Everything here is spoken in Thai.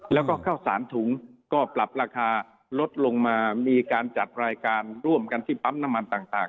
แล้วก็ข้าวสารถุงก็ปรับราคาลดลงมามีการจัดรายการร่วมกันที่ปั๊มน้ำมันต่าง